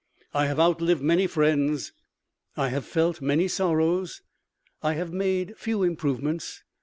I have outlived many friends, I have felt many sorrows. I have made few improvements.